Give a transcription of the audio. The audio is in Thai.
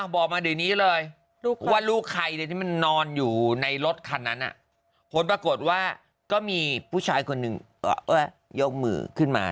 บอกมาเดี๋ยวนี้เลยว่าลูกใครที่มันนอนอยู่ในรถคันนั้นผลปรากฏว่าก็มีผู้ชายคนหนึ่งยกมือขึ้นมา